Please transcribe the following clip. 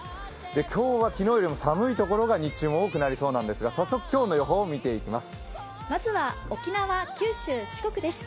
今日は昨日よりも寒いところが日中多いんですが早速、今日の予報を見ていきます。